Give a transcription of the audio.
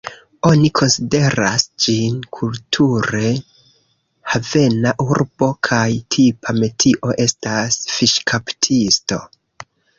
Oni konsideras ĝin kulture havena urbo kaj tipa metio estas fiŝkaptisto.